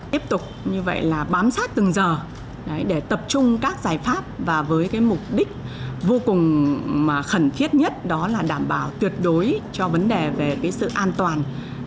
tiếp tục như vậy là bám sát từng giờ để tập trung các giải pháp và với cái mục đích vô cùng khẩn thiết nhất đó là đảm bảo tuyệt đối cho vấn đề về sự an toàn